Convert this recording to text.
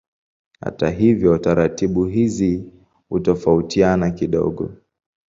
Hata hivyo taratibu hizi hutofautiana kidogo.